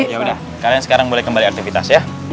yaudah kalian sekarang boleh kembali aktivitas ya